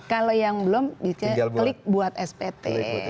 kalau yang belum diklik buat spt